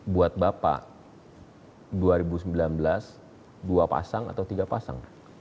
buat bapak dua ribu sembilan belas dua pasang atau tiga pasang